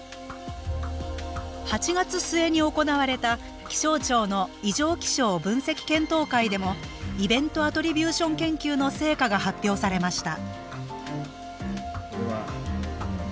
８月末に行われた気象庁の異常気象分析検討会でもイベント・アトリビューション研究の成果が発表されました